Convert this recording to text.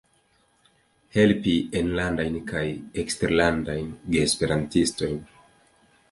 Helpi enlandajn kaj eksterlandajn geesperantistojn.